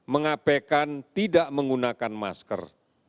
mengabaikan tidak menggunakan masker